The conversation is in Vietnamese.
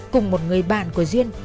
cùng một người bạn của duyên